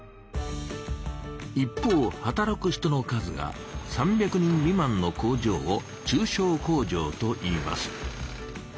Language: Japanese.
一方働く人の数が３００人未満の工場を「中小工場」といいます。